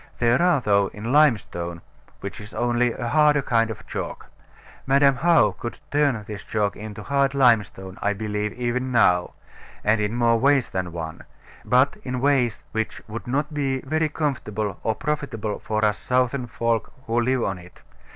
There are, though, in limestone, which is only a harder kind of chalk. Madam How could turn this chalk into hard limestone, I believe, even now; and in more ways than one: but in ways which would not be very comfortable or profitable for us Southern folk who live on it.